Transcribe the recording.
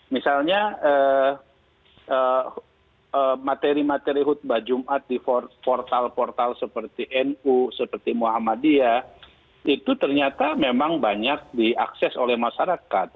misalnya materi materi khutbah jumat di portal portal seperti nu seperti muhammadiyah itu ternyata memang banyak diakses oleh masyarakat